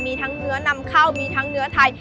มีทั้งเนื้อนำเข้ามีทั้งเนื้อไทย